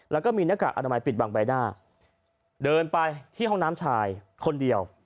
แล้วก็มีหน้ากากอนามัยปิดบังใบหน้าเดินไปที่ห้องน้ำชายคนเดียว